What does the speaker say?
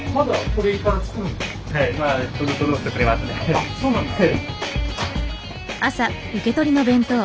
あっそうなんですか。